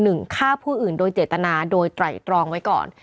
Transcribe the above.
ฆ่าผู้อื่นโดยเจตนาโดยไตรตรองไว้ก่อน